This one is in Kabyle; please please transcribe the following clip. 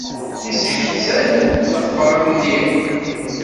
Yesseḥzan lexbeṛ-nni